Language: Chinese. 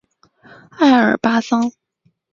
爱尔巴桑。